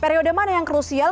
periode mana yang krusial